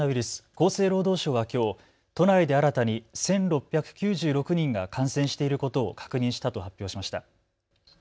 厚生労働省はきょう都内で新たに１６９６人が感染していることを確認したと発表しました。